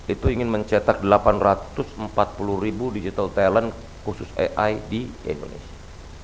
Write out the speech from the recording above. itu ingin mencetak delapan ratus empat puluh ribu digital talent khusus ai di indonesia